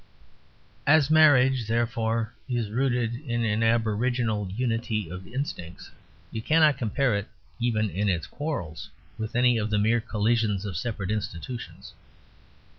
As marriage, therefore, is rooted in an aboriginal unity of instincts, you cannot compare it, even in its quarrels, with any of the mere collisions of separate institutions.